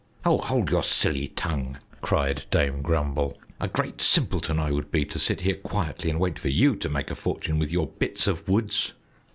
"Oh, hold your silly tongue!" cried Dame Grumble. "A great simpleton I would be to sit here quietly and wait for you to make a fortune with your bits of woods!